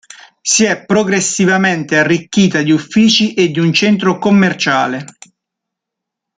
Si è progressivamente arricchita di uffici e di un centro commerciale.